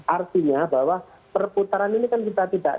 artinya bahwa perputaran ini kan kita tidak